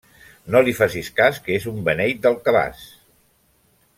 No li facis cas que és un beneit del cabàs.